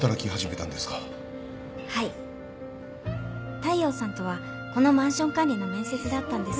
大陽さんとはこのマンション管理の面接で会ったんです。